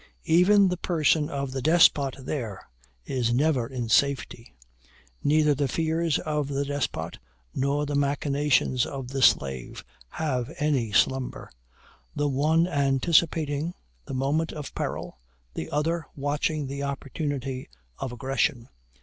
Even the person of the despot there is never in safety. Neither the fears of the despot, nor the machinations of the slave, have any slumber the one anticipating the moment of peril, the other watching the opportunity of aggression.